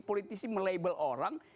politisi melabel orang